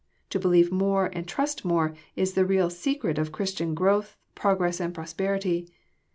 To believe more and trust more, is the real secret of Christian growth, progress, and prosperity.